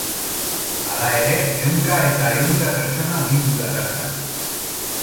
Hala ere, ehunka eta ehunka perstona bildu da bertan.